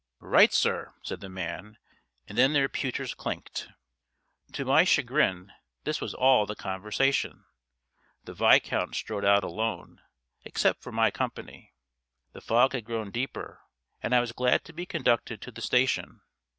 "Right, sir!" said the man. And then their pewters clinked. To my chagrin this was all the conversation. The Viscount strode out alone except for my company. The fog had grown deeper, and I was glad to be conducted to the station.